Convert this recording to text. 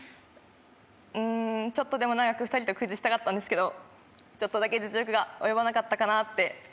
うんちょっとでも長く２人とクイズしたかったんですけどちょっとだけ実力が及ばなかったかなって思います。